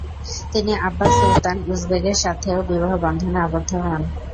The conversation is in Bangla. তিনি আব্বাস সুলতান উজবেগের সাথেও বিবাহ বন্ধনে আবদ্ধ হন।